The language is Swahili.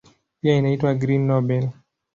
Pia inaitwa "Green Nobel".